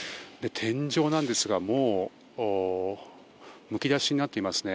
天井なんですが、もうむき出しになっていますね。